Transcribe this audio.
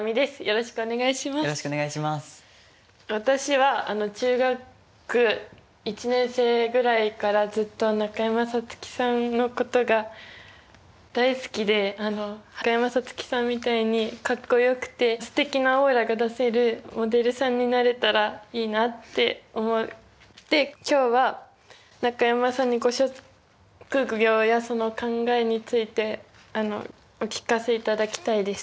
私は中学１年生ぐらいからずっと中山咲月さんのことが大好きで中山咲月さんみたいにかっこよくてすてきなオーラが出せるモデルさんになれたらいいなって思って今日は中山さんにご職業やその考えについてお聞かせいただきたいです。